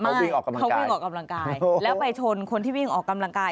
ไม่เขาวิ่งออกกำลังกายแล้วไปชนคนที่วิ่งออกกำลังกาย